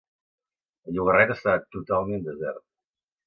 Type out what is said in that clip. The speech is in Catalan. El llogarret estava totalment desert.